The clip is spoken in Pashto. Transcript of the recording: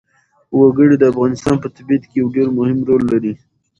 وګړي د افغانستان په طبیعت کې یو ډېر مهم رول لري.